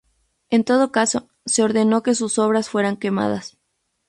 En todo caso, se ordenó que sus obras fueran quemadas.